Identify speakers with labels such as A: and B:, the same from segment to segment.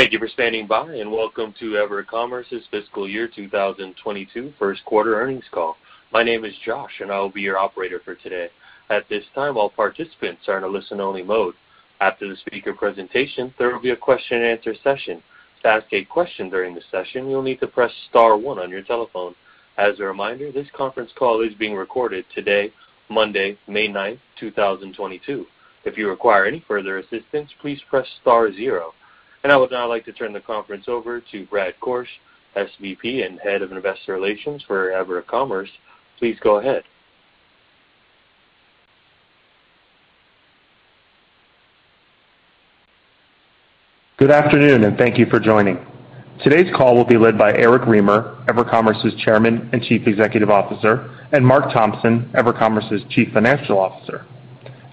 A: Thank you for standing by, and welcome to EverCommerce's fiscal year 2022 Q1 Earnings Call. My name is Josh, and I will be your operator for today. At this time, all participants are in a listen only mode. After the speaker presentation, there will be a question and answer session. To ask a question during the session, you'll need to press star one on your telephone. As a reminder, this conference call is being recorded today, Monday, May 9, 2022. If you require any further assistance, please press star zero. I would now like to turn the conference over to Brad Korch, SVP and Head of Investor Relations for EverCommerce. Please go ahead.
B: Good afternoon, and thank you for joining. Today's call will be led by Eric Remer, EverCommerce's Chairman and CEO, and Marc Thompson, EverCommerce's CFO.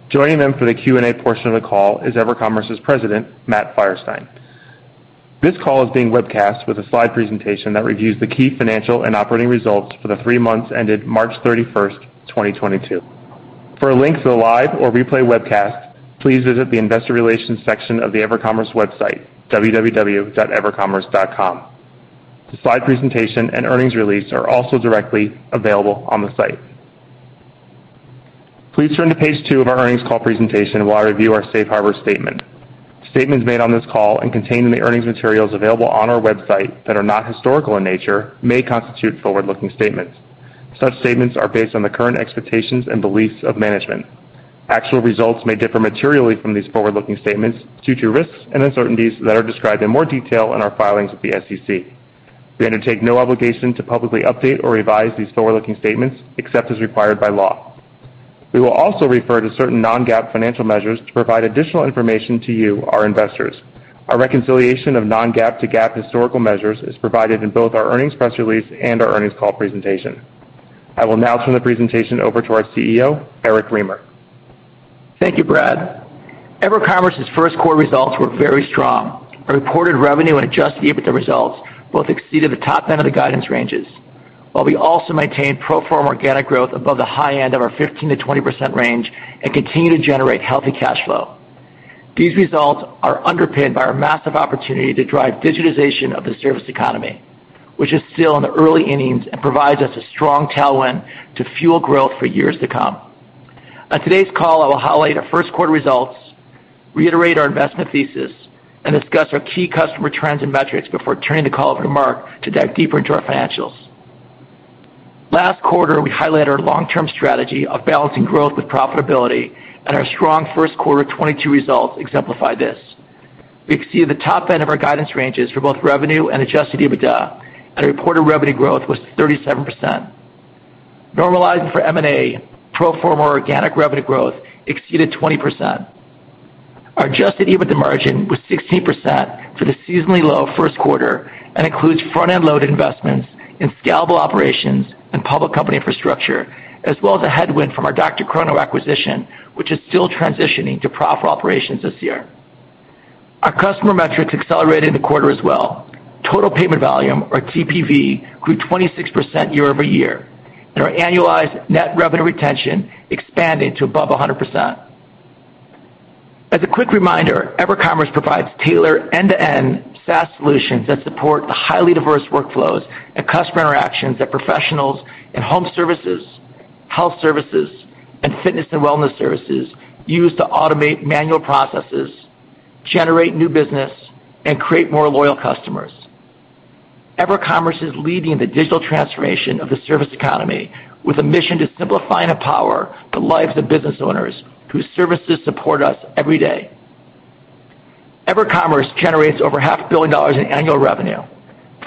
B: Joining them for the Q&A portion of the call is EverCommerce's President, Matt Feierstein. This call is being webcast with a slide presentation that reviews the key financial and operating results for the three months ended 31 March 2022. For a link to the live or replay webcast, please visit the investor relations section of the EverCommerce website, www.evercommerce.com. The slide presentation and earnings release are also directly available on the site. Please turn to page two of our earnings call presentation while I review our safe harbor statement. Statements made on this call and contained in the earnings materials available on our website that are not historical in nature may constitute forward-looking statements. Such statements are based on the current expectations and beliefs of management. Actual results may differ materially from these forward-looking statements due to risks and uncertainties that are described in more detail in our filings with the SEC. We undertake no obligation to publicly update or revise these forward-looking statements except as required by law. We will also refer to certain non-GAAP financial measures to provide additional information to you, our investors. Our reconciliation of non-GAAP to GAAP historical measures is provided in both our earnings press release and our earnings call presentation. I will now turn the presentation over to our CEO, Eric Remer.
C: Thank you, Brad. EverCommerce's Q1 results were very strong. Our reported revenue and adjusted EBITDA results both exceeded the top end of the guidance ranges, while we also maintained pro forma organic growth above the high end of our 15% to 20% range and continue to generate healthy cash flow. These results are underpinned by our massive opportunity to drive digitization of the service economy, which is still in the early innings and provides us a strong tailwind to fuel growth for years to come. On today's call, I will highlight our Q1 results, reiterate our investment thesis, and discuss our key customer trends and metrics before turning the call over to Mark to dive deeper into our financials. Last quarter, we highlighted our long-term strategy of balancing growth with profitability, and our strong first quarter 2022 results exemplify this. We exceeded the top end of our guidance ranges for both revenue and adjusted EBITDA, and reported revenue growth was 37%. Normalizing for M&A, pro forma organic revenue growth exceeded 20%. Our adjusted EBITDA margin was 16% for the seasonally low Q1 and includes front-end load investments in scalable operations and public company infrastructure, as well as a headwind from our DrChrono acquisition, which is still transitioning to proper operations this year. Our customer metrics accelerated in the quarter as well. Total payment volume, or TPV, grew 26% year-over-year, and our annualized net revenue retention expanded to above 100%. As a quick reminder, EverCommerce provides tailored end-to-end SaaS solutions that support the highly diverse workflows and customer interactions that professionals in home services, health services, and fitness and wellness services use to automate manual processes, generate new business, and create more loyal customers. EverCommerce is leading the digital transformation of the service economy with a mission to simplify and empower the lives of business owners whose services support us every day. EverCommerce generates over half a $0.5 billion in annual revenue.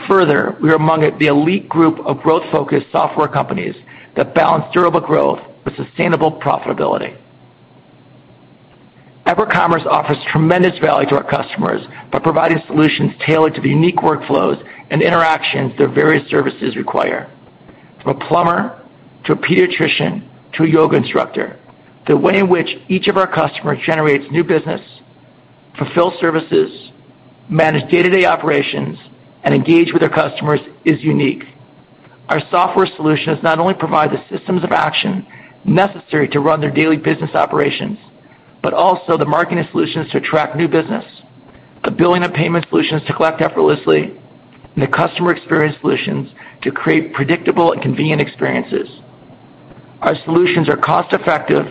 C: Further, we are among the elite group of growth-focused software companies that balance durable growth with sustainable profitability. EverCommerce offers tremendous value to our customers by providing solutions tailored to the unique workflows and interactions their various services require. From a plumber to a pediatrician to a yoga instructor, the way in which each of our customers generates new business, fulfills services, manage day-to-day operations, and engage with their customers is unique. Our software solutions not only provide the systems of action necessary to run their daily business operations, but also the marketing solutions to attract new business, the billing and payment solutions to collect effortlessly, and the customer experience solutions to create predictable and convenient experiences. Our solutions are cost-effective,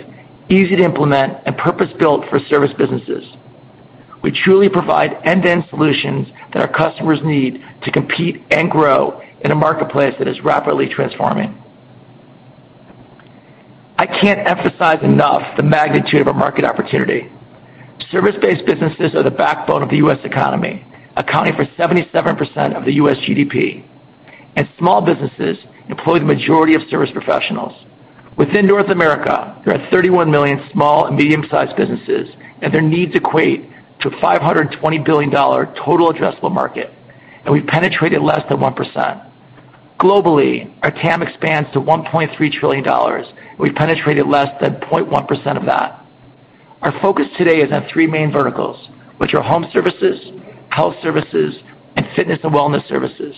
C: easy to implement, and purpose-built for service businesses. We truly provide end-to-end solutions that our customers need to compete and grow in a marketplace that is rapidly transforming. I can't emphasize enough the magnitude of our market opportunity. Service-based businesses are the backbone of the U.S. economy, accounting for 77% of the U.S. GDP, and small businesses employ the majority of service professionals. Within North America, there are 31 million small and medium-sized businesses, and their needs equate to a $520 billion total addressable market, and we've penetrated less than 1%. Globally, our TAM expands to $1.3 trillion, and we've penetrated less than 0.1% of that. Our focus today is on three main verticals, which are home services, health services, and fitness and wellness services.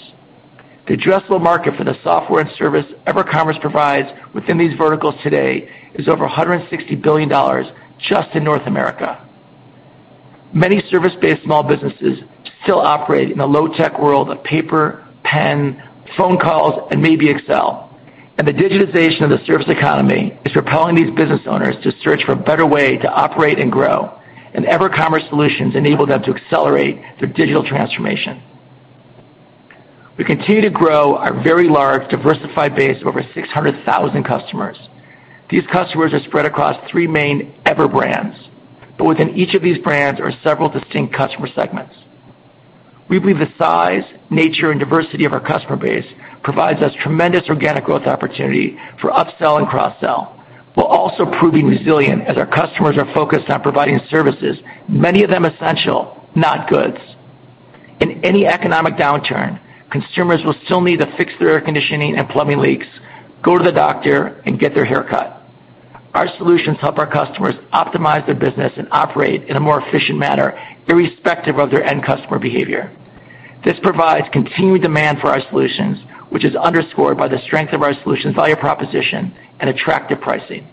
C: The addressable market for the software and service EverCommerce provides within these verticals today is over $160 billion just in North America. Many service-based small businesses still operate in a low tech world of paper, pen, phone calls, and maybe Excel, and the digitization of the service economy is propelling these business owners to search for a better way to operate and grow, and EverCommerce solutions enable them to accelerate their digital transformation. We continue to grow our very large, diversified base of over 600,000 customers. These customers are spread across three main Ever brands, but within each of these brands are several distinct customer segments. We believe the size, nature, and diversity of our customer base provides us tremendous organic growth opportunity for upsell and cross-sell, while also proving resilient as our customers are focused on providing services, many of them essential, not goods. In any economic downturn, consumers will still need to fix their air conditioning and plumbing leaks, go to the doctor, and get their hair cut. Our solutions help our customers optimize their business and operate in a more efficient manner, irrespective of their end customer behavior. This provides continued demand for our solutions, which is underscored by the strength of our solutions, value proposition, and attractive pricing.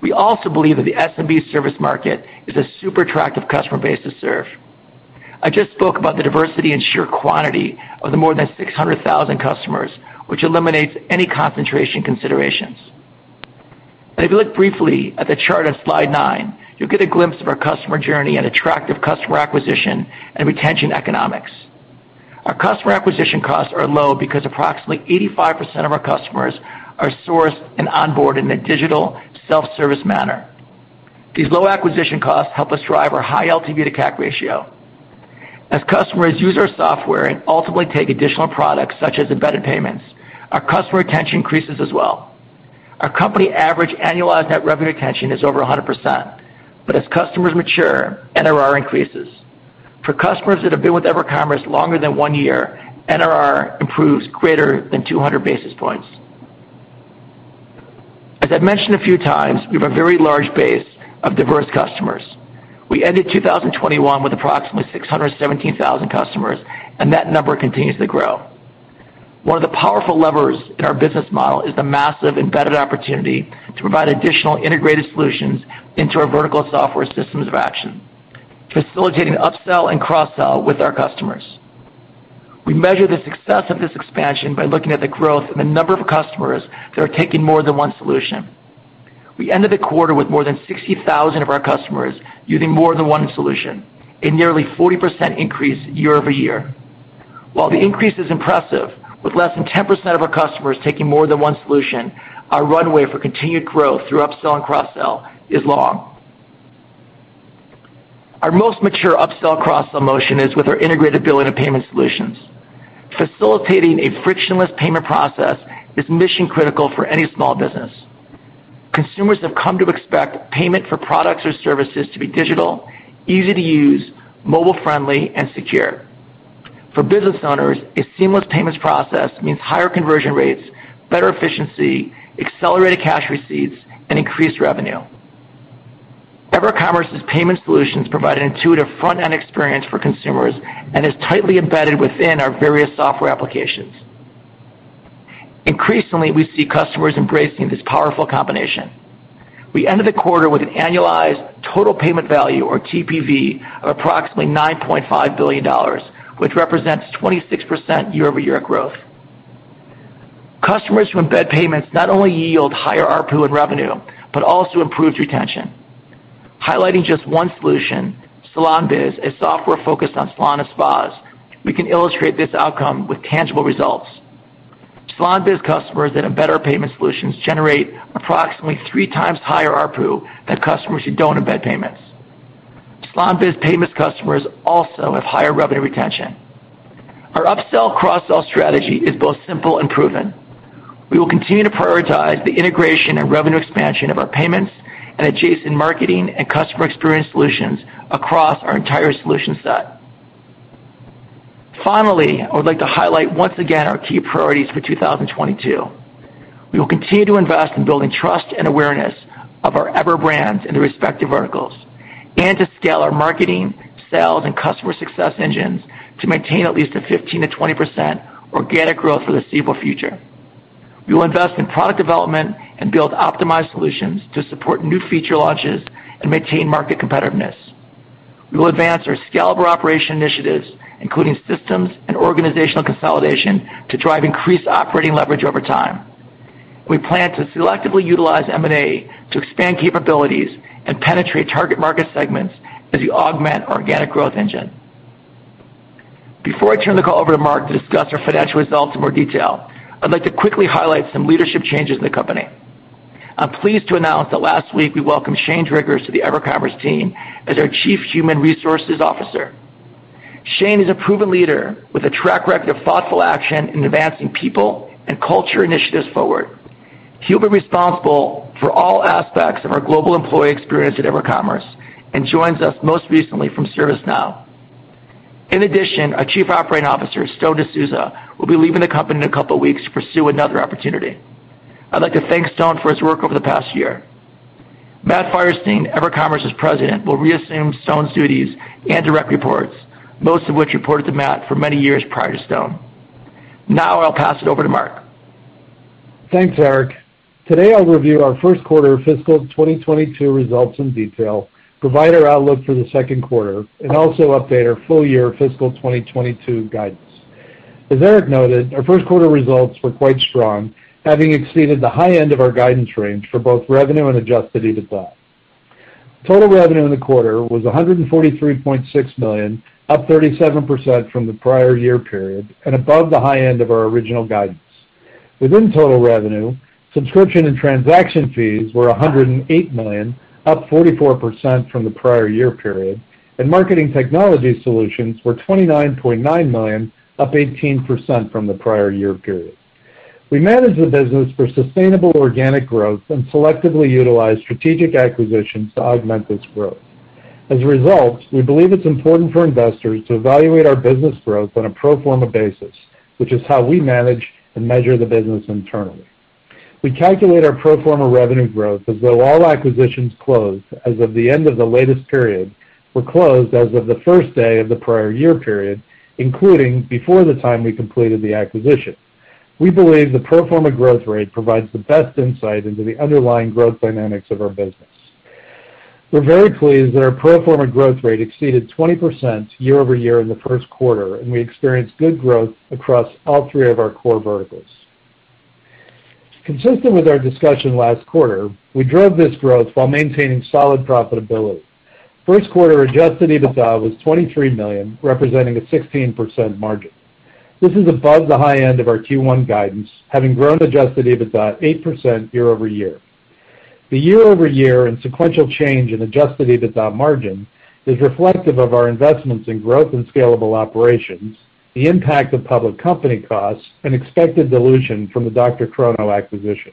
C: We also believe that the SMB service market is a super attractive customer base to serve. I just spoke about the diversity and sheer quantity of the more than 600,000 customers, which eliminates any concentration considerations. If you look briefly at the chart on slide nine, you'll get a glimpse of our customer journey and attractive customer acquisition and retention economics. Our customer acquisition costs are low because approximately 85% of our customers are sourced and onboarded in a digital, self-service manner. These low acquisition costs help us drive our high LTV to CAC ratio. As customers use our software and ultimately take additional products, such as embedded payments, our customer retention increases as well. Our company average annualized net revenue retention is over 100%, but as customers mature, NRR increases. For customers that have been with EverCommerce longer than one year, NRR improves greater than 200 basis points. As I've mentioned a few times, we have a very large base of diverse customers. We ended 2021 with approximately 617,000 customers, and that number continues to grow. One of the powerful levers in our business model is the massive embedded opportunity to provide additional integrated solutions into our vertical software systems of action, facilitating upsell and cross-sell with our customers. We measure the success of this expansion by looking at the growth in the number of customers that are taking more than one solution. We ended the quarter with more than 60,000 of our customers using more than one solution, a nearly 40% increase year over year. While the increase is impressive, with less than 10% of our customers taking more than one solution, our runway for continued growth through upsell and cross-sell is long. Our most mature upsell cross-sell motion is with our integrated billing and payment solutions. Facilitating a frictionless payment process is mission critical for any small business. Consumers have come to expect payment for products or services to be digital, easy to use, mobile friendly, and secure. For business owners, a seamless payments process means higher conversion rates, better efficiency, accelerated cash receipts, and increased revenue. EverCommerce's payment solutions provide an intuitive front-end experience for consumers and is tightly embedded within our various software applications. Increasingly, we see customers embracing this powerful combination. We ended the quarter with an annualized total payment value or TPV of approximately $9.5 billion, which represents 26% year-over-year growth. Customers who embed payments not only yield higher ARPU and revenue, but also improved retention. Highlighting just one solution, SalonBiz, a software focused on salon and spas, we can illustrate this outcome with tangible results. SalonBiz customers that embed our payment solutions generate approximately three times higher ARPU than customers who don't embed payments. SalonBiz payments customers also have higher revenue retention. Our upsell cross-sell strategy is both simple and proven. We will continue to prioritize the integration and revenue expansion of our payments and adjacent marketing and customer experience solutions across our entire solution set. Finally, I would like to highlight once again our key priorities for 2022. We will continue to invest in building trust and awareness of our Ever brands in the respective verticals and to scale our marketing, sales, and customer success engines to maintain at least a 15% to 20% organic growth for the foreseeable future. We will invest in product development and build optimized solutions to support new feature launches and maintain market competitiveness. We will advance our scalable operation initiatives, including systems and organizational consolidation, to drive increased operating leverage over time. We plan to selectively utilize M&A to expand capabilities and penetrate target market segments as we augment our organic growth engine. Before I turn the call over to Marc to discuss our financial results in more detail, I'd like to quickly highlight some leadership changes in the company. I'm pleased to announce that last week we welcomed Shane Driggers to the EverCommerce team as our Chief Human Resources Officer. Shane is a proven leader with a track record of thoughtful action in advancing people and culture initiatives forward. He'll be responsible for all aspects of our global employee experience at EverCommerce and joins us most recently from ServiceNow. In addition, our Chief Operating Officer, Stone Sousa, will be leaving the company in a couple weeks to pursue another opportunity. I'd like to thank Stone for his work over the past year. Matt Feierstein, EverCommerce's President, will reassume Stone's duties and direct reports, most of which reported to Matt for many years prior to Stone. Now I'll pass it over to Marc.
D: Thanks, Eric. Today, I'll review our Q1 fiscal 2022 results in detail, provide our outlook for the Q2, and also update our full-year fiscal 2022 guidance. As Eric noted, our first quarter results were quite strong, having exceeded the high end of our guidance range for both revenue and adjusted EBITDA. Total revenue in the quarter was $143.6 million, up 37% from the prior year period and above the high end of our original guidance. Within total revenue, subscription and transaction fees were $108 million, up 44% from the prior year period, and marketing technology solutions were $29.9 million, up 18% from the prior year period. We manage the business for sustainable organic growth and selectively utilize strategic acquisitions to augment this growth. As a result, we believe it's important for investors to evaluate our business growth on a pro forma basis, which is how we manage and measure the business internally. We calculate our pro forma revenue growth as though all acquisitions closed as of the end of the latest period were closed as of the first day of the prior year period, including before the time we completed the acquisition. We believe the pro forma growth rate provides the best insight into the underlying growth dynamics of our business. We're very pleased that our pro forma growth rate exceeded 20% year-over-year in the Q1, and we experienced good growth across all three of our core verticals. Consistent with our discussion last quarter, we drove this growth while maintaining solid profitability. Q1 adjusted EBITDA was $23 million, representing a 16% margin. This is above the high end of our Q1 guidance, having grown adjusted EBITDA 8% year-over-year. The year-over-year and sequential change in adjusted EBITDA margin is reflective of our investments in growth and scalable operations, the impact of public company costs, and expected dilution from the DrChrono acquisition.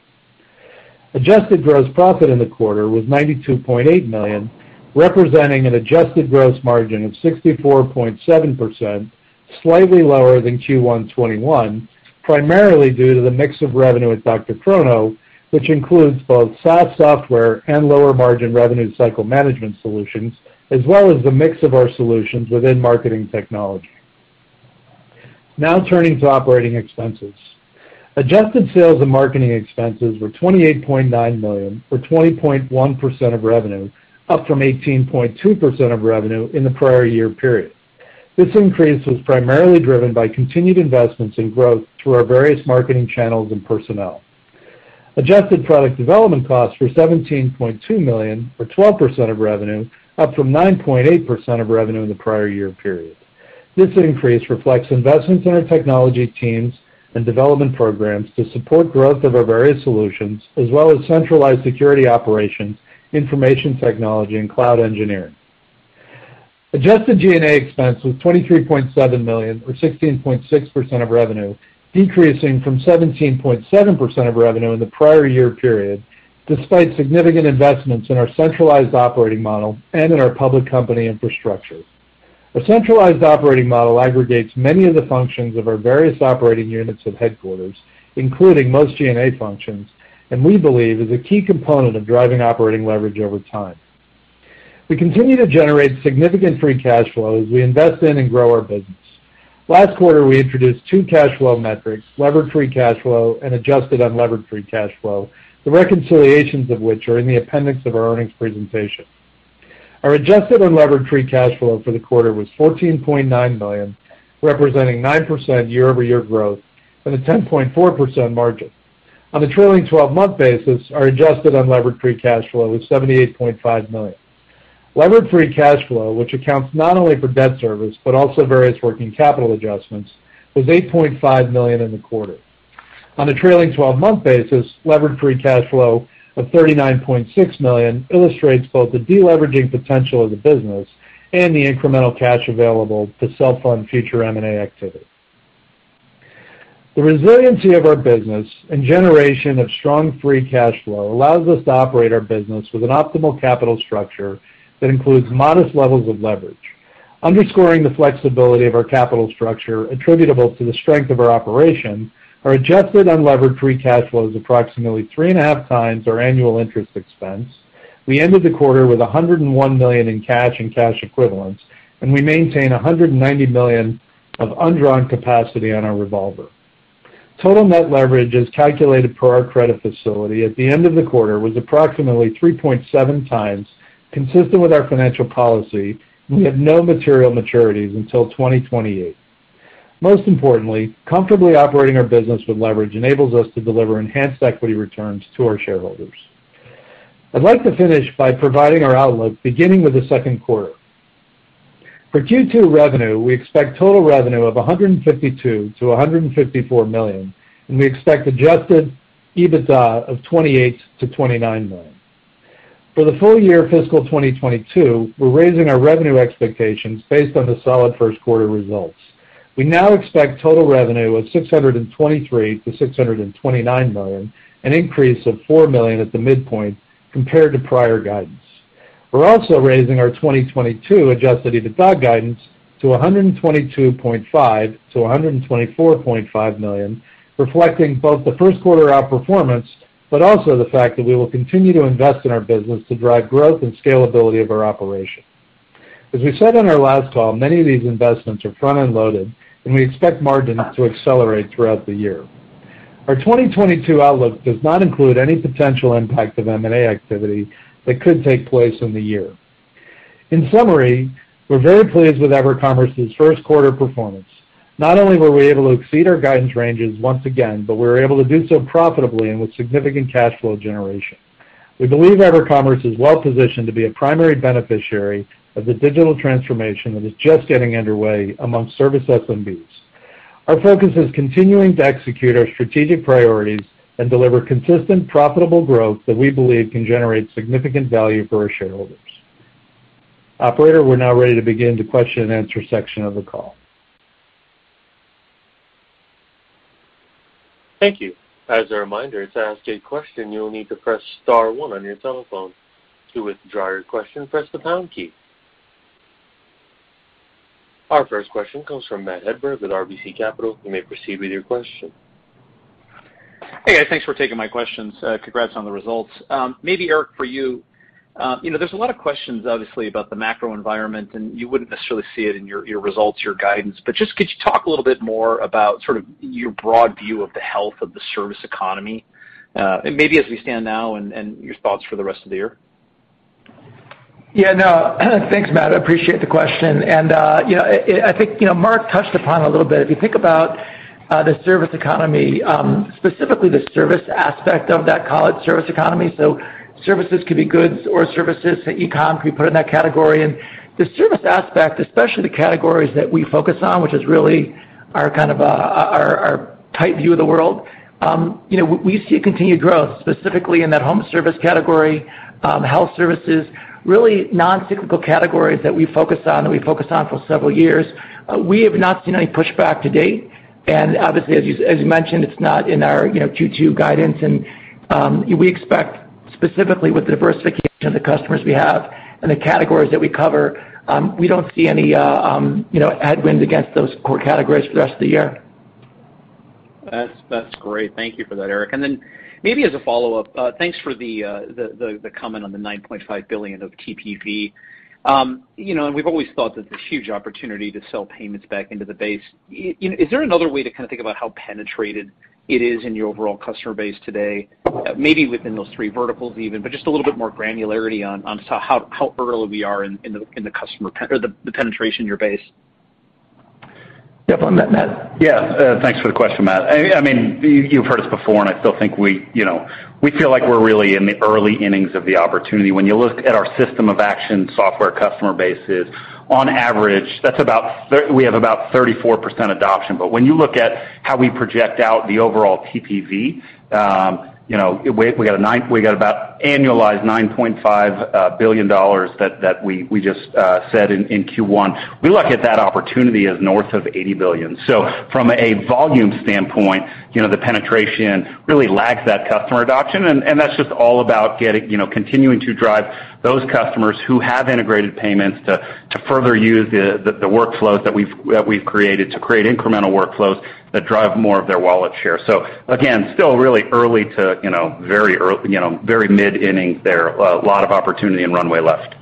D: Adjusted gross profit in the quarter was $92.8 million, representing an adjusted gross margin of 64.7%, slightly lower than Q1 2021, primarily due to the mix of revenue at DrChrono, which includes both SaaS software and lower-margin revenue cycle management solutions, as well as the mix of our solutions within marketing technology. Now turning to operating expenses. Adjusted sales and marketing expenses were $28.9 million, or 20.1% of revenue, up from 18.2% of revenue in the prior year period. This increase was primarily driven by continued investments in growth through our various marketing channels and personnel. Adjusted product development costs were $17.2 million, or 12% of revenue, up from 9.8% of revenue in the prior year period. This increase reflects investments in our technology teams and development programs to support growth of our various solutions, as well as centralized security operations, information technology, and cloud engineering. Adjusted G&A expense was $23.7 million or 16.6% of revenue, decreasing from 17.7% of revenue in the prior year period, despite significant investments in our centralized operating model and in our public company infrastructure. A centralized operating model aggregates many of the functions of our various operating units of headquarters, including most G&A functions, and we believe is a key component of driving operating leverage over time. We continue to generate significant free cash flow as we invest in and grow our business. Last quarter, we introduced two cash flow metrics, levered free cash flow and adjusted unlevered free cash flow, the reconciliations of which are in the appendix of our earnings presentation. Our adjusted unlevered free cash flow for the quarter was $14.9 million, representing 9% year-over-year growth and a 10.4% margin. On a trailing twelve-month basis, our adjusted unlevered free cash flow was $78.5 million. Levered free cash flow, which accounts not only for debt service but also various working capital adjustments, was $8.5 million in the quarter. On a trailing 12-month basis, levered free cash flow of $39.6 million illustrates both the deleveraging potential of the business and the incremental cash available to self-fund future M&A activity. The resiliency of our business and generation of strong free cash flow allows us to operate our business with an optimal capital structure that includes modest levels of leverage. Underscoring the flexibility of our capital structure attributable to the strength of our operations, our adjusted unlevered free cash flow is approximately 3.5 times our annual interest expense. We ended the quarter with $101 million in cash and cash equivalents, and we maintain $190 million of undrawn capacity on our revolver. Total net leverage is calculated per our credit facility at the end of the quarter was approximately 3.7 times consistent with our financial policy, and we have no material maturities until 2028. Most importantly, comfortably operating our business with leverage enables us to deliver enhanced equity returns to our shareholders. I'd like to finish by providing our outlook beginning with the Q2. For Q2 revenue, we expect total revenue of $152 million-$154 million, and we expect adjusted EBITDA of $28 million-$29 million. For the full year fiscal 2022, we're raising our revenue expectations based on the solid Q1 results. We now expect total revenue of $623 million-$629 million, an increase of $4 million at the midpoint compared to prior guidance. We're also raising our 2022 adjusted EBITDA guidance to $122.5 to $124.5 million, reflecting both the first quarter outperformance, but also the fact that we will continue to invest in our business to drive growth and scalability of our operation. As we said on our last call, many of these investments are front-end loaded, and we expect margins to accelerate throughout the year. Our 2022 outlook does not include any potential impact of M&A activity that could take place in the year. In summary, we're very pleased with EverCommerce's Q1 performance. Not only were we able to exceed our guidance ranges once again, but we were able to do so profitably and with significant cash flow generation. We believe EverCommerce is well positioned to be a primary beneficiary of the digital transformation that is just getting underway among service SMBs. Our focus is continuing to execute our strategic priorities and deliver consistent, profitable growth that we believe can generate significant value for our shareholders. Operator, we're now ready to begin the question-and-answer section of the call.
A: Thank you. As a reminder, to ask a question, you'll need to press star one on your telephone. To withdraw your question, press the pound key. Our first question comes from Matt Hedberg with RBC Capital. You may proceed with your question.
E: Hey, guys. Thanks for taking my questions. Congrats on the results. Maybe, Eric, for there's a lot of questions obviously about the macro environment, and you wouldn't necessarily see it in your results, your guidance. Just could you talk a little bit more about sort of your broad view of the health of the service economy, and maybe as we stand now and your thoughts for the rest of the year?
C: Yeah, no. Thanks, Matt. I appreciate the question. I think, Marc touched upon a little bit. If you think about the service economy, specifically the service aspect of that overall service economy, so services could be goods or services, the e-com could be put in that category. The service aspect, especially the categories that we focus on, which is really our kind of tight view of the world, we see continued growth, specifically in that home service category, health services, really non-cyclical categories that we focus on, that we focused on for several years. We have not seen any pushback to date. Obviously, as you mentioned, it's not in our Q2 guidance. We expect specifically with the diversification of the customers we have and the categories that we cover, we don't see any, headwinds against those core categories for the rest of the year.
E: That's great. Thank you for that, Eric. Maybe as a follow-up, thanks for the comment on the $9.5 billion of TPV. You know, we've always thought there's this huge opportunity to sell payments back into the base. You know, is there another way to kinda think about how penetrated it is in your overall customer base today, maybe within those three verticals even, but just a little bit more granularity on how early we are in the customer penetration in your base?
C: Yep. Matt.
F: Yeah. Thanks for the question, Matt. I mean, you've heard us before, and I still think we feel like we're really in the early innings of the opportunity. When you look at our system of action software customer bases, on average, that's about we have about 34% adoption. When you look at how we project out the overall TPV, we got about annualized $9.5 billion that we just said in Q1. We look at that opportunity as north of $80 billion. From a volume standpoint, you know, the penetration really lags that customer adoption, and that's just all about getting, continuing to drive those customers who have integrated payments to further use the workflows that we've created to create incremental workflows that drive more of their wallet share. Again, still really early to, you know, very mid-innings there. A lot of opportunity and runway left.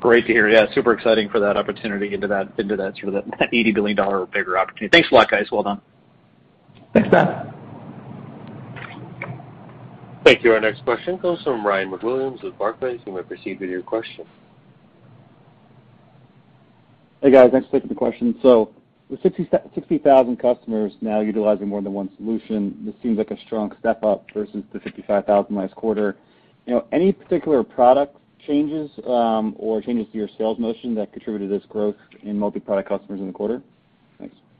E: Great to hear. Yeah, super exciting for that opportunity into that sort of $80 billion bigger opportunity. Thanks a lot, guys. Well done.
D: Thanks, Matt.
A: Thank you. Our next question comes from Ryan MacWilliams with Barclays. You may proceed with your question.
G: Hey, guys. Thanks for taking the question. With 60,000 customers now utilizing more than one solution, this seems like a strong step up versus the 65,000 last quarter. Any particular product changes, or changes to your sales motion that contributed to this growth in multi-product customers in the quarter?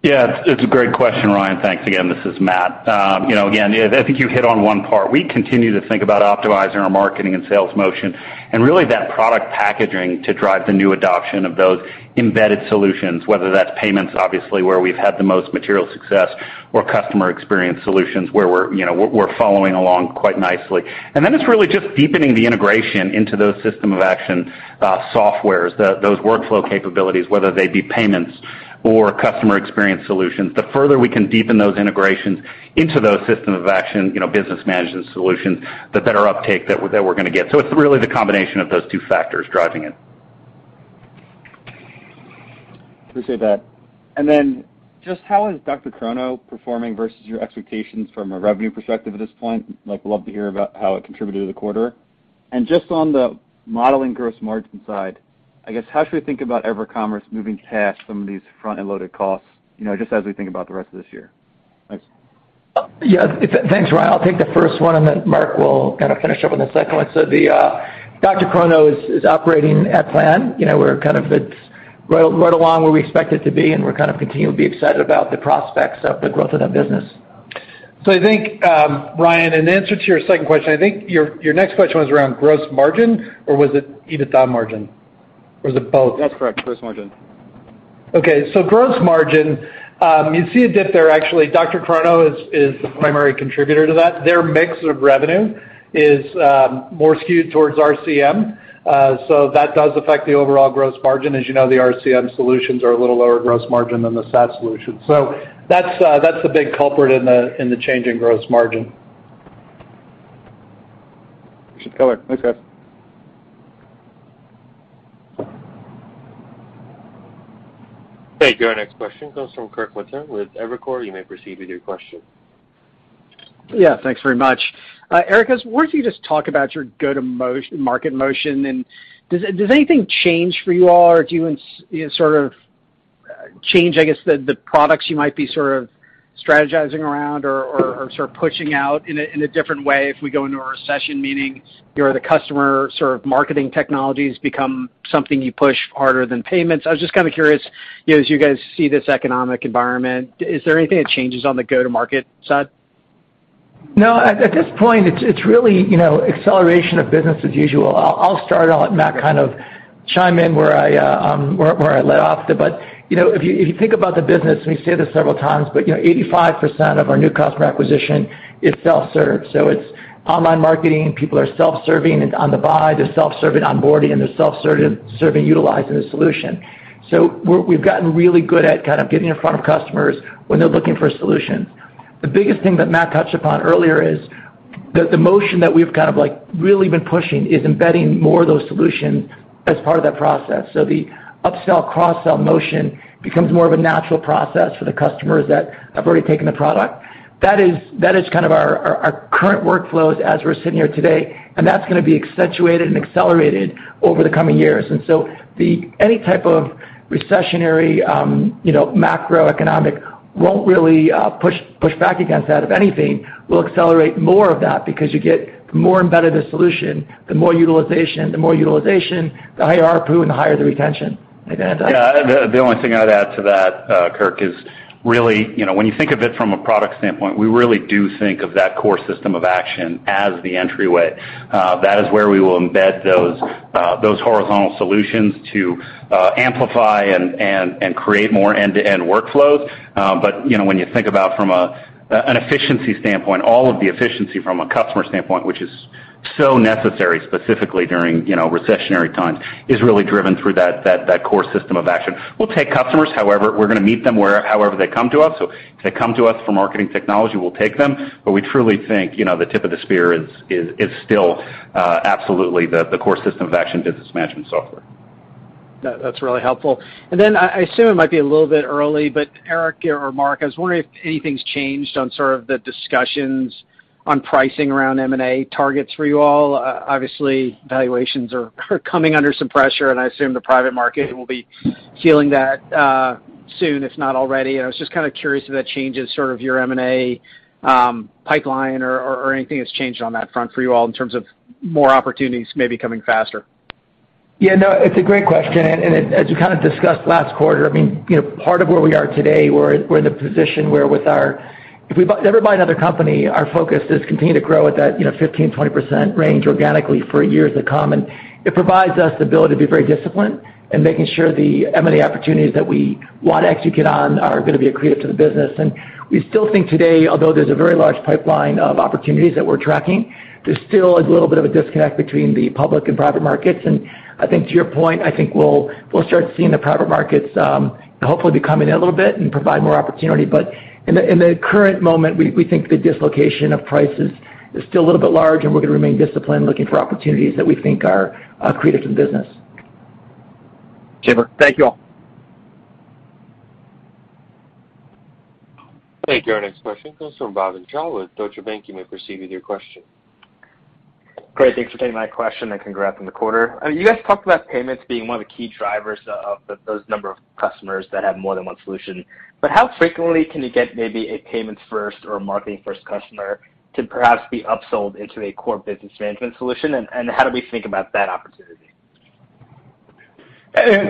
G: Thanks.
F: Yeah, it's a great question, Ryan. Thanks again. This is Matt. You know, again, I think you hit on one part. We continue to think about optimizing our marketing and sales motion and really that product packaging to drive the new adoption of those embedded solutions, whether that's payments, obviously, where we've had the most material success, or customer experience solutions, where we're following along quite nicely. It's really just deepening the integration into those system of action softwares, those workflow capabilities, whether they be payments or customer experience solutions. The further we can deepen those integrations into those system of action, business management solutions, the better uptake that we're gonna get. It's really the combination of those two factors driving it.
G: Appreciate that. Just how is DrChrono performing versus your expectations from a revenue perspective at this point? Like, love to hear about how it contributed to the quarter. Just on the modeling gross margin side, I guess, how should we think about EverCommerce moving past some of these front-end loaded costs, you know, just as we think about the rest of this year? Thanks.
C: Yeah. Thanks, Ryan. I'll take the first one, and then Marc will kinda finish up on the second one. The DrChrono is operating at plan. We're kind of right along where we expect it to be, and we're kind of continually excited about the prospects of the growth of that business.
D: I think, Ryan, in answer to your second question, I think your next question was around gross margin, or was it EBITDA margin? Or is it both?
G: That's correct. Gross margin.
D: Okay, gross margin, you see a dip there. Actually DrChrono is the primary contributor to that. Their mix of revenue is more skewed towards RCM. That does affect the overall gross margin. As you know, the RCM solutions are a little lower gross margin than the SaaS solution. That's the big culprit in the change in gross margin.
A: Thanks. Your next question comes from Kirk Materne with Evercore ISI. You may proceed with your question.
H: Yeah. Thanks very much. Eric, I wonder if you could just talk about your go-to-market motion, and does anything change for you all, or do you know, sort of change, I guess, the products you might be sort of strategizing around or sort of pushing out in a different way if we go into a recession, meaning, you know, the customer sort of marketing technologies become something you push harder than payments? I was just kind of curious, you know, as you guys see this economic environment, is there anything that changes on the go-to-market side?
C: No. At this point, it's really acceleration of business as usual. I'll start off. Matt can chime in where I let off. You know, if you think about the business, and we've said this several times, but 85% of our new customer acquisition is self-serve. So it's online marketing. People are self-serving on the buy, they're self-serving onboarding, and they're self-serving utilizing the solution. So we've gotten really good at kind of getting in front of customers when they're looking for solutions. The biggest thing that Matt touched upon earlier is the motion that we've kind of like really been pushing is embedding more of those solutions as part of that process. The upsell, cross-sell motion becomes more of a natural process for the customers that have already taken the product. That is kind of our current workflows as we're sitting here today, and that's gonna be accentuated and accelerated over the coming years. Then any type of recessionary, you know, macroeconomic won't really push back against that. If anything, we'll accelerate more of that because you get the more embedded a solution, the more utilization. The more utilization, the higher ARPU and the higher the retention. Matt, anything to add?
F: Yeah. The only thing I'd add to that, Kirk, is really, you know, when you think of it from a product standpoint, we really do think of that core system of action as the entryway. That is where we will embed those horizontal solutions to amplify and create more end-to-end workflows. But, you know, when you think about from an efficiency standpoint, all of the efficiency from a customer standpoint, which is so necessary specifically during, you know, recessionary times, is really driven through that core system of action. We'll take customers however. We're gonna meet them however they come to us. If they come to us for marketing technology, we'll take them. We truly think, you know, the tip of the spear is still absolutely the core system of action business management software.
H: That's really helpful. I assume it might be a little bit early, but Eric or Marc, I was wondering if anything's changed on sort of the discussions on pricing around M&A targets for you all. Obviously valuations are coming under some pressure, and I assume the private market will be feeling that soon, if not already. I was just kind of curious if that changes sort of your M&A pipeline or anything that's changed on that front for you all in terms of more opportunities maybe coming faster.
C: Yeah. No, it's a great question. As we kind of discussed last quarter, I mean, you know, part of where we are today, we're in the position where with our, if we ever buy another company, our focus is continue to grow at that, you know, 15% to 20% range organically for years to come. It provides us the ability to be very disciplined in making sure the M&A opportunities that we wanna execute on are gonna be accretive to the business. We still think today, although there's a very large pipeline of opportunities that we're tracking, there's still a little bit of a disconnect between the public and private markets. I think to your point, I think we'll start seeing the private markets, hopefully be coming in a little bit and provide more opportunity. In the current moment, we think the dislocation of prices is still a little bit large, and we're gonna remain disciplined looking for opportunities that we think are accretive to the business.
H: Super. Thank you all.
A: Thank you. Our next question comes from Bhavin Shah with Deutsche Bank. You may proceed with your question.
I: Great. Thanks for taking my question, and congrats on the quarter. I mean, you guys talked about payments being one of the key drivers of those number of customers that have more than one solution. How frequently can you get maybe a payments-first or a marketing-first customer to perhaps be upsold into a core business management solution, and how do we think about that opportunity?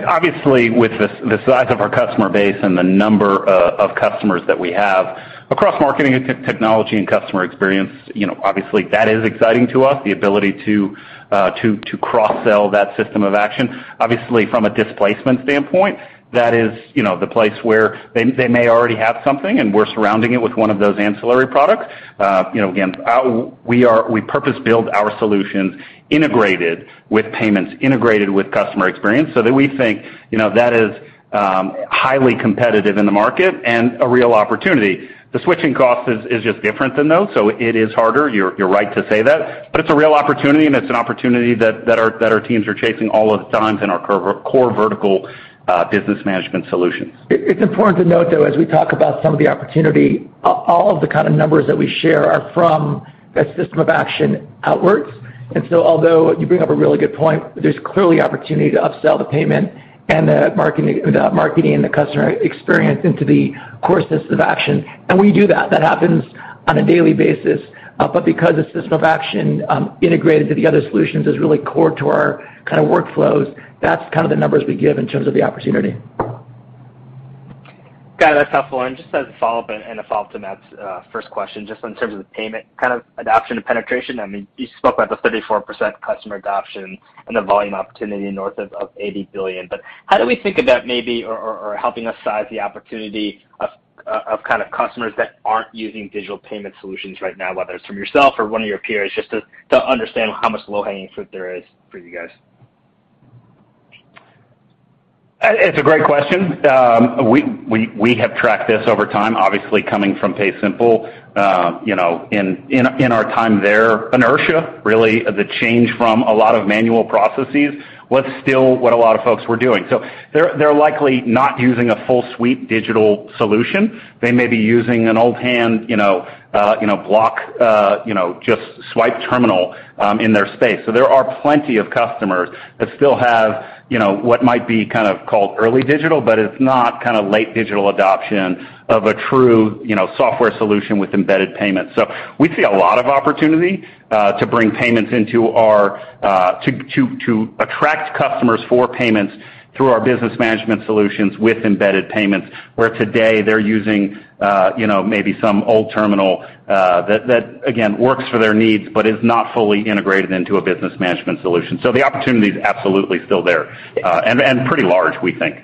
F: Obviously, with the size of our customer base and the number of customers that we have across marketing and technology and customer experience, you know, obviously that is exciting to us, the ability to cross-sell that system of action. Obviously from a displacement standpoint, that is, you know, the place where they may already have something, and we're surrounding it with one of those ancillary products. You know, again, we purpose-build our solutions integrated with payments, integrated with customer experience, so that we think, you know, that is highly competitive in the market and a real opportunity. The switching cost is just different than those, so it is harder. You're right to say that. It's a real opportunity, and it's an opportunity that our teams are chasing all of the time in our core vertical business management solutions.
C: It's important to note, though, as we talk about some of the opportunity, all of the kind of numbers that we share are from that system of action outwards. Although you bring up a really good point, there's clearly opportunity to upsell the payment and the marketing and the customer experience into the core system of action. We do that. That happens on a daily basis. Because the system of action integrated to the other solutions is really core to our kind of workflows, that's kind of the numbers we give in terms of the opportunity.
I: Got it. That's helpful. Just as a follow-up and a follow-up to Matt's first question, just in terms of the payment kind of adoption and penetration. I mean, you spoke about the 34% customer adoption and the volume opportunity north of $80 billion. But how do we think of that maybe or helping us size the opportunity of kind of customers that aren't using digital payment solutions right now, whether it's from yourself or one of your peers, just to understand how much low-hanging fruit there is for you guys?
F: It's a great question. We have tracked this over time, obviously, coming from PaySimple. You know, in our time there, inertia really the change from a lot of manual processes was still what a lot of folks were doing. They're likely not using a full suite digital solution. They may be using an old hand block just swipe terminal in their space. There are plenty of customers that still have, you know, what might be kind of called early digital, but it's not kinda late digital adoption of a true, you know, software solution with embedded payments. We see a lot of opportunity to bring payments into our to attract customers for payments through our business management solutions with embedded payments, where today they're using you know, maybe some old terminal that again, works for their needs but is not fully integrated into a business management solution. The opportunity is absolutely still there and pretty large, we think.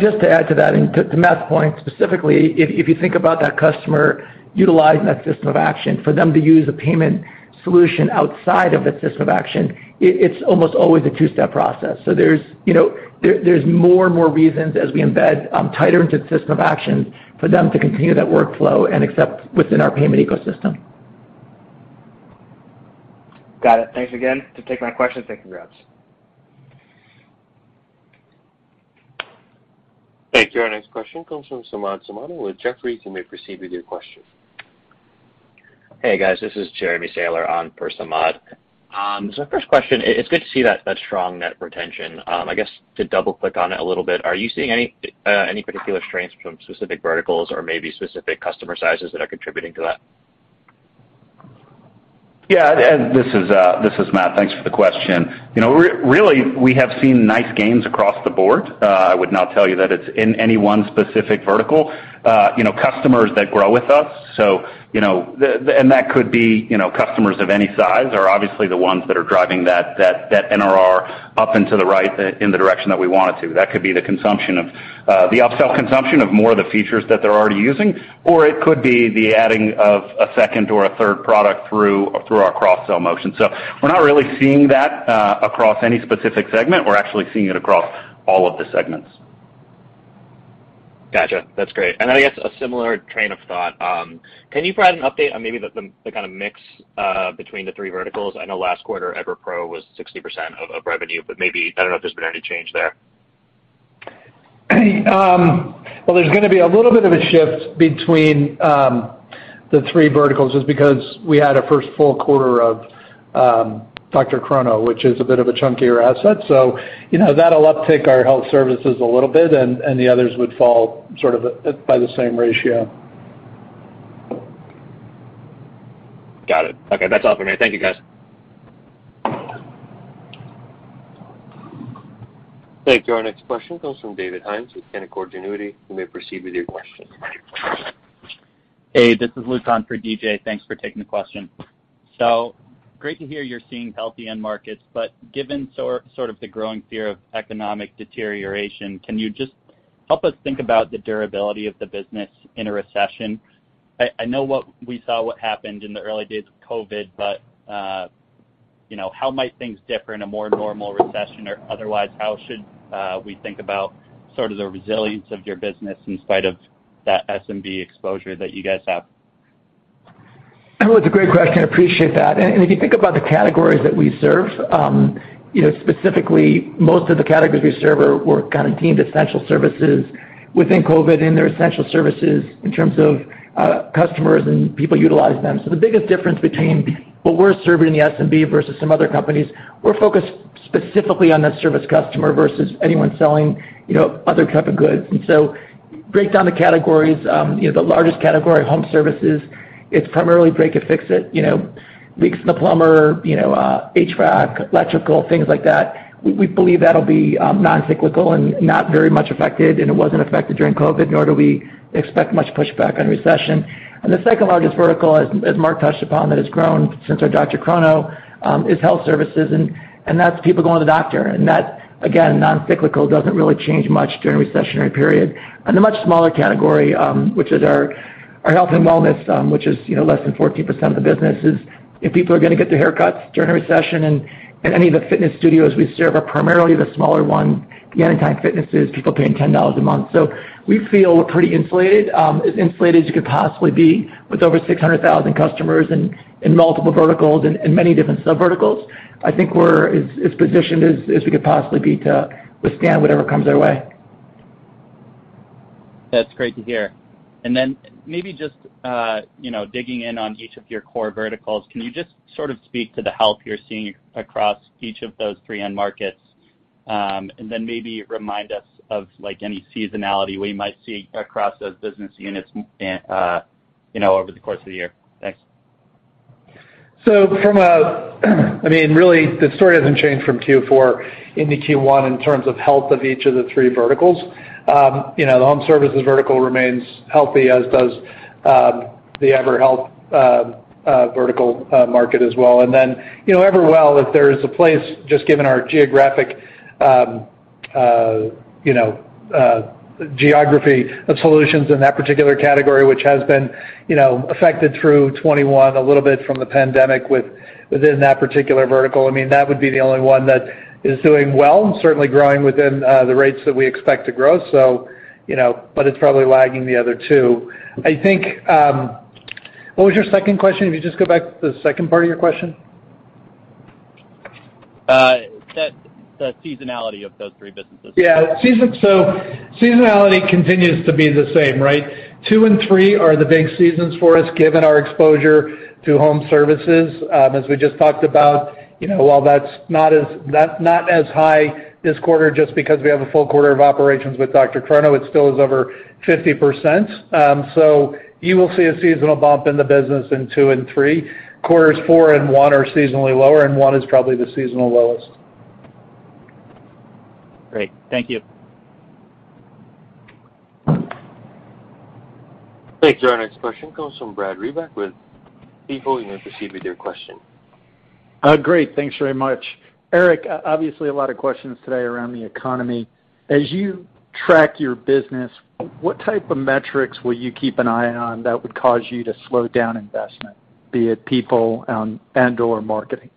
C: Just to add to that and to Matt's point specifically, if you think about that customer utilizing that system of action, for them to use a payment solution outside of a system of action, it's almost always a two-step process. So there's you know more and more reasons as we embed tighter into the system of action for them to continue that workflow and accept within our payment ecosystem.
I: Got it. Thanks again for taking my questions. Thank you. Congrats.
A: Thank you. Our next question comes from Samad Samana with Jefferies. You may proceed with your question.
J: Hey, guys. This is Jeremy Sandler on for Samad. First question, it's good to see that strong net retention. I guess to double-click on it a little bit, are you seeing any particular strengths from specific verticals or maybe specific customer sizes that are contributing to that?
F: Yeah. This is Matt. Thanks for the question. You know, really, we have seen nice gains across the board. I would not tell you that it's in any one specific vertical. You know, customers that grow with us, and that could be, you know, customers of any size are obviously the ones that are driving that NRR up and to the right in the direction that we want it to. That could be the upsell consumption of more of the features that they're already using, or it could be the adding of a second or a third product through our cross-sell motion. We're not really seeing that across any specific segment. We're actually seeing it across all of the segments.
J: Gotcha. That's great. I guess a similar train of thought. Can you provide an update on maybe the kinda mix between the three verticals? I know last quarter EverPro was 60% of revenue, but maybe I don't know if there's been any change there.
F: Well, there's gonna be a little bit of a shift between the three verticals just because we had our first full quarter of DrChrono, which is a bit of a chunkier asset. You know, that'll uptick our health services a little bit, and the others would fall sort of by the same ratio.
J: Got it. Okay. That's all for me. Thank you, guys.
A: Thank you. Our next question comes from David Hynes with Canaccord Genuity. You may proceed with your question.
K: Hey, this is Lu on for DJ. Thanks for taking the question. Great to hear you're seeing healthy end markets, given sort of the growing fear of economic deterioration, can you just help us think about the durability of the business in a recession? I know what we saw what happened in the early days of COVID, you know, how might things differ in a more normal recession? Otherwise, how should we think about sort of the resilience of your business in spite of that SMB exposure that you guys have?
C: It's a great question. I appreciate that. If you think about the categories that we serve, you know, specifically, most of the categories we serve were kinda deemed essential services within COVID, and they're essential services in terms of customers and people utilize them. The biggest difference between what we're serving in the SMB versus some other companies, we're focused specifically on that service customer versus anyone selling, you know, other type of goods. Break down the categories, you know, the largest category, home services, it's primarily break and fix it, you know, leaks in the plumbing, you know, HVAC, electrical, things like that. We believe that'll be non-cyclical and not very much affected, and it wasn't affected during COVID, nor do we expect much pushback in a recession. The second largest vertical, as Marc touched upon, that has grown since our DrChrono, is health services, and that's people going to the doctor. That, again, non-cyclical, doesn't really change much during recessionary period. A much smaller category, which is our health and wellness, which is, you know, less than 14% of the business, is if people are gonna get their haircuts during a recession, and any of the fitness studios we serve are primarily the smaller ones, the Anytime Fitness, people paying $10 a month. We feel we're pretty insulated, as insulated as you could possibly be with over 600,000 customers in multiple verticals and many different sub verticals. I think we're as positioned as we could possibly be to withstand whatever comes our way.
K: That's great to hear. Maybe just digging in on each of your core verticals, can you just sort of speak to the health you're seeing across each of those three end markets? Maybe remind us of like any seasonality we might see across those business units over the course of the year. Thanks.
D: I mean, really, the story hasn't changed from Q4 into Q1 in terms of health of each of the three verticals. The home services vertical remains healthy, as does the EverHealth vertical market as well. EverWell, if there is a place just given our geographic geography of solutions in that particular category, which has been affected through 2021 a little bit from the pandemic within that particular vertical, I mean, that would be the only one that is doing well and certainly growing within the rates that we expect to grow. But it's probably lagging the other two. I think what was your second question? Could you just go back to the second part of your question?
K: The seasonality of those three businesses.
D: Yeah. Seasonality continues to be the same, right? Two and three are the big seasons for us, given our exposure to home services. As we just talked about, you know, while that's not as high this quarter just because we have a full quarter of operations with DrChrono, it still is over 50%. You will see a seasonal bump in the business in two and three. Q4s and Q1 are seasonally lower, and one is probably the seasonal lowest.
K: Great. Thank you.
A: Thank you. Our next question comes from Brad Reback with B. Riley. You may proceed with your question.
L: Great. Thanks very much. Eric, obviously, a lot of questions today around the economy. As you track your business, what type of metrics will you keep an eye on that would cause you to slow down investment, be it people, and/or marketing?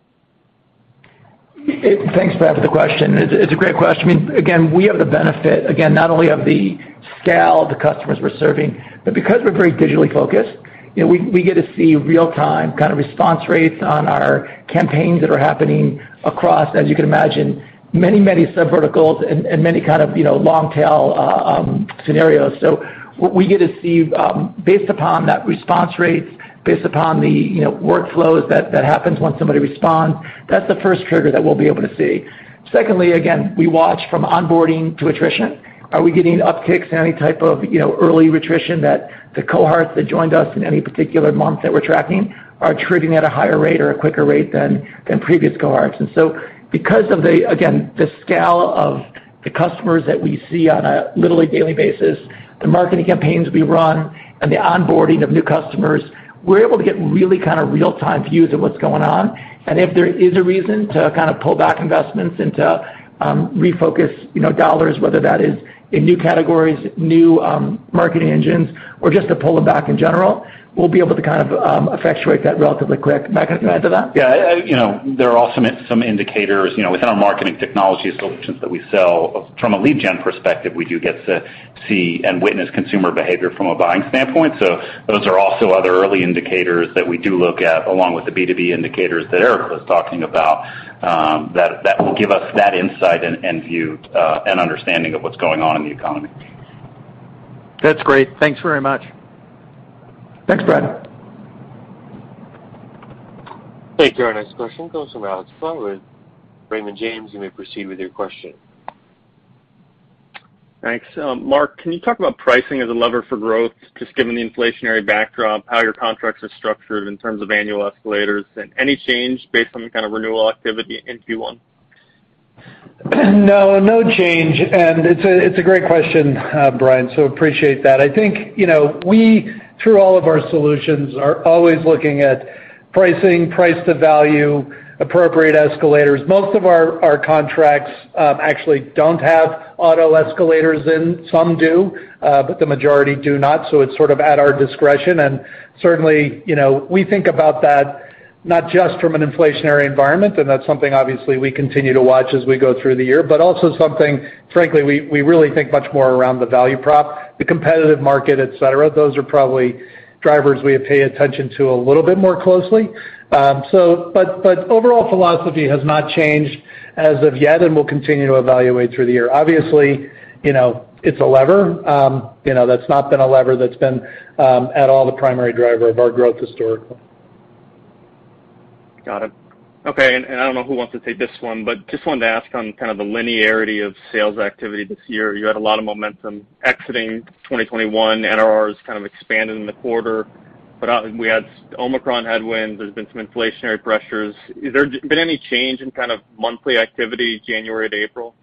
C: Thanks, Brad, for the question. It's a great question. Again, we have the benefit, again, not only of the scale of the customers we're serving, but because we're very digitally focused, we get to see real-time kind of response rates on our campaigns that are happening across, as you can imagine, many sub verticals and many kind of, you know, long tail scenarios. What we get to see, based upon that response rates, based upon the, you know, workflows that happens once somebody responds, that's the first trigger that we'll be able to see. Secondly, again, we watch from onboarding to attrition. Are we getting upticks in any type of, you know, early attrition that the cohorts that joined us in any particular month that we're tracking are attriting at a higher rate or a quicker rate than previous cohorts? Because of the, again, the scale of the customers that we see on a literally daily basis, the marketing campaigns we run and the onboarding of new customers, we're able to get really kind of real-time views of what's going on. If there is a reason to kind of pull back investments and to refocus, you know, dollars, whether that is in new categories, new marketing engines, or just to pull it back in general, we'll be able to kind of effectuate that relatively quick. Matt, can you add to that?
F: Yeah. You know, there are also some indicators, you know, within our marketing technology solutions that we sell. From a lead gen perspective, we do get to see and witness consumer behavior from a buying standpoint. Those are also other early indicators that we do look at, along with the B2B indicators that Eric was talking about, that will give us that insight and view and understanding of what's going on in the economy.
L: That's great. Thanks very much.
C: Thanks, Brad.
A: Thank you. Our next question comes from Alex Sklar with Raymond James. You may proceed with your question.
M: Thanks. Marc, can you talk about pricing as a lever for growth, just given the inflationary backdrop, how your contracts are structured in terms of annual escalators? Any change based on the kind of renewal activity in Q1?
D: No, no change. It's a great question, Brian, so appreciate that. I think, you know, we through all of our solutions are always looking at pricing, price to value, appropriate escalators. Most of our contracts actually don't have auto escalators in. Some do, but the majority do not. It's sort of at our discretion. Certainly, you know, we think about that not just from an inflationary environment, and that's something obviously we continue to watch as we go through the year, but also something, frankly, we really think much more around the value prop, the competitive market, et cetera. Those are probably drivers we pay attention to a little bit more closely. Overall philosophy has not changed as of yet, and we'll continue to evaluate through the year. Obviously, you know, it's a lever. You know, that's not been a lever that's been at all the primary driver of our growth historically.
M: Got it. Okay. I don't know who wants to take this one, but just wanted to ask on kind of the linearity of sales activity this year. You had a lot of momentum exiting 2021. NRR has kind of expanded in the quarter, but we had Omicron headwinds. There's been some inflationary pressures. Is there been any change in kind of monthly activity January to April?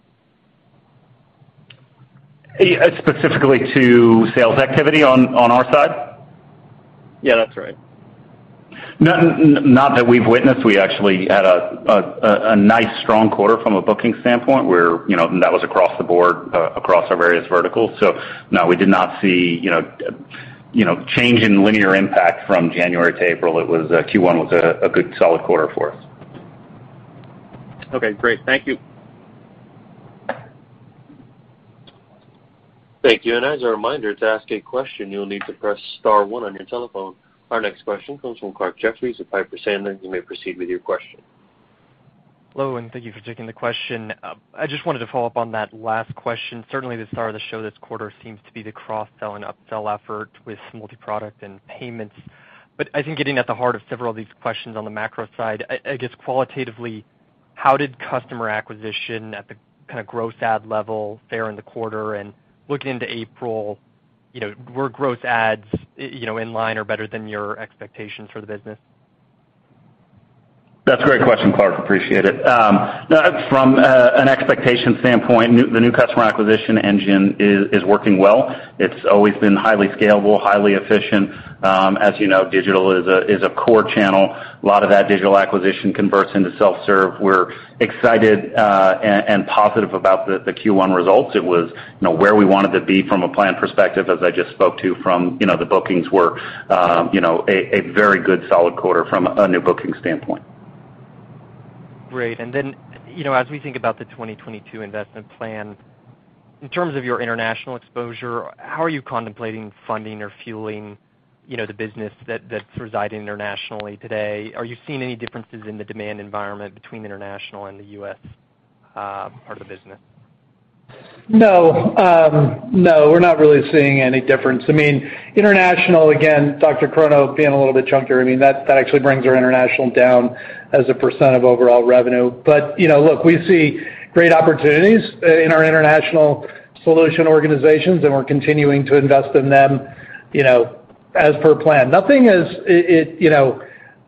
F: Specifically to sales activity on our side?
M: Yeah, that's right.
F: Not that we've witnessed. We actually had a nice strong quarter from a booking standpoint, where you know and that was across the board across our various verticals. No, we did not see you know change in linear impact from January to April. It was Q1 was a good solid quarter for us.
M: Okay, great. Thank you.
A: Thank you. As a reminder, to ask a question, you will need to press star one on your telephone. Our next question comes from Clarke Jeffries of Piper Sandler. You may proceed with your question.
N: Hello, and thank you for taking the question. I just wanted to follow up on that last question. Certainly the star of the show this quarter seems to be the cross-sell and upsell effort with multi-product and payments. I think getting at the heart of several of these questions on the macro side, I guess qualitatively, how did customer acquisition at the kind of gross add level fare in the quarter? And looking into April, you know, were gross adds, you know, in line or better than your expectations for the business?
D: That's a great question, Clarke. Appreciate it. From an expectation standpoint, the new customer acquisition engine is working well. It's always been highly scalable, highly efficient. As you know, digital is a core channel. A lot of that digital acquisition converts into self-serve. We're excited and positive about the Q1 results. It was, you know, where we wanted to be from a plan perspective, as I just spoke to from, the bookings were, you know, a very good solid quarter from a new booking standpoint.
N: Great. You know, as we think about the 2022 investment plan, in terms of your international exposure, how are you contemplating funding or fueling, the business that's residing internationally today? Are you seeing any differences in the demand environment between international and the U.S. part of the business?
D: No. No, we're not really seeing any difference. I mean, international, again, DrChrono being a little bit chunkier, I mean that actually brings our international down as a percent of overall revenue. You know, look, we see great opportunities in our international solution organizations, and we're continuing to invest in them, you know, as per plan. Nothing is it.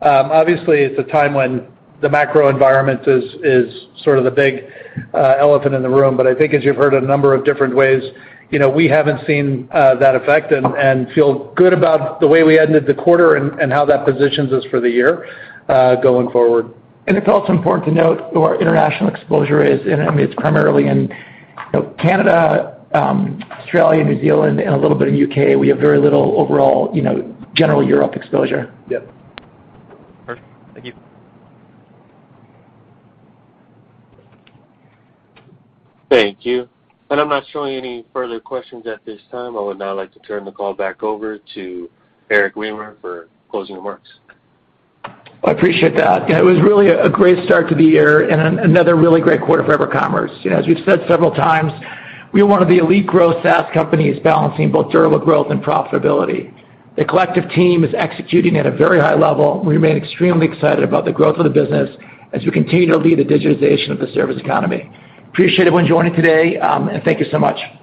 D: Obviously, it's a time when the macro environment is sort of the big elephant in the room. I think as you've heard a number of different ways, you know, we haven't seen that effect and feel good about the way we ended the quarter and how that positions us for the year going forward.
C: It's also important to note our international exposure is, and I mean, it's primarily in Canada, Australia, New Zealand, and a little bit in U.K. We have very little overall, you know, general Europe exposure.
D: Yep.
N: Perfect. Thank you.
A: Thank you. I'm not showing any further questions at this time. I would now like to turn the call back over to Eric Remer for closing remarks.
C: I appreciate that. It was really a great start to the year and another really great quarter for EverCommerce. You know, as we've said several times, we're one of the elite growth SaaS companies balancing both durable growth and profitability. The collective team is executing at a very high level. We remain extremely excited about the growth of the business as we continue to lead the digitization of the service economy. Appreciate everyone joining today, and thank you so much.